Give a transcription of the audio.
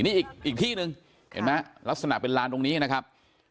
นี่อีกที่หนึ่งเห็นไหมลักษณะเป็นลานตรงนี้นะครับ